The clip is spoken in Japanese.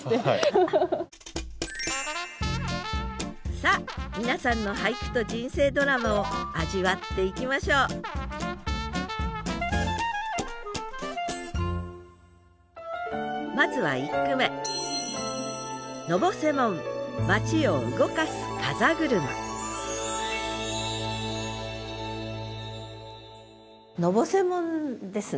さあ皆さんの俳句と人生ドラマを味わっていきましょうまずは１句目「のぼせもん」ですね。